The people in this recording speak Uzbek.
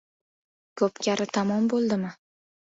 — Ko‘pkari tamom bo‘ldimi?